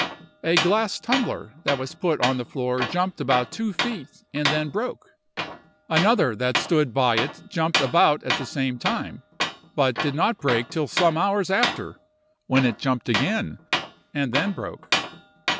"A glass tumbler that was put on the floor jumped about two feet and then broke. Another that stood by it jumped about at the same time, but did not break till some hours after, when it jumped again, and then broke.